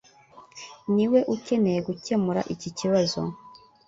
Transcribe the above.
niwe ukeneye gukemura iki kibazo